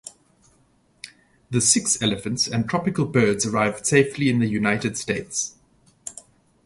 The six Elephants and tropical birds arrived safely in the United States.